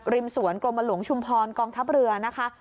สวนกรมหลวงชุมพรกองทัพเรือนะคะ